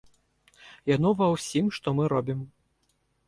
Яно ва ўсім, што мы робім.